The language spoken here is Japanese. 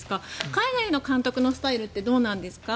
海外の監督のスタイルってどうなんですか？